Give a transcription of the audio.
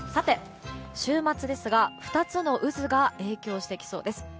週末ですが２つの渦が影響してきそうです。